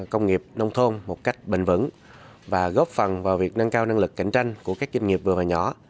công nghiệp nông thôn một cách bền vững và góp phần vào việc nâng cao năng lực cạnh tranh của các doanh nghiệp vừa và nhỏ